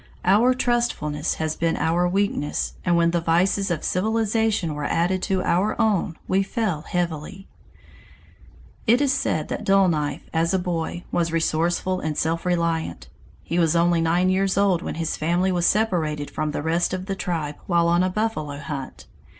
Our trustfulness has been our weakness, and when the vices of civilization were added to our own, we fell heavily. It is said that Dull Knife as a boy was resourceful and self reliant. He was only nine years old when his family was separated from the rest of the tribe while on a buffalo hunt.